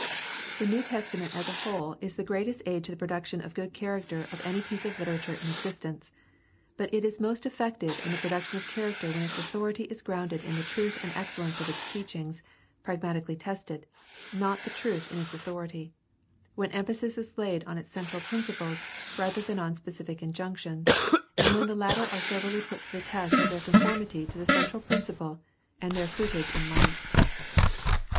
The New Testament as a whole is the greatest aid to the production of good character of any piece of literature in existence; but it is most effective in the production of character when its authority is grounded in the truth and excellence of its teachings, pragmatically tested, not the truth in its authority; when emphasis is laid on its great central principles rather than on specific injunctions, and when the latter are severally put to the test of their conformity to the central principle and their fruitage in life.